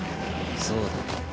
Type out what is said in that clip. そうだね。